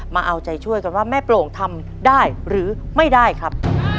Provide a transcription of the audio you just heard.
มาเอาใจช่วยกันว่าแม่โปร่งทำได้หรือไม่ได้ครับ